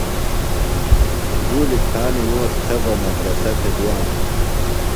گُولیۡ کھا نِموس تھےۡ بہ مدرسہ تھےۡ بِیانوۡ۔